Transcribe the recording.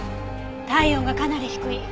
体温がかなり低い。